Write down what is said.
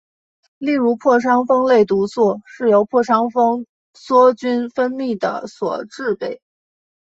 例如破伤风类毒素是由破伤风梭菌分泌的所制备。